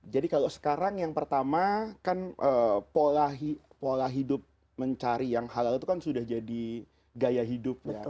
jadi kalau sekarang yang pertama kan pola hidup mencari yang halal itu kan sudah jadi gaya hidup